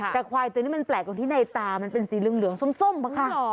แต่ควายตัวนี้มันแปลกตรงที่ในตามันเป็นสีเหลืองส้มค่ะ